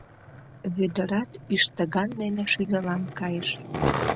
Вӧдырат ӱштыган дене шӱльылан кайыш.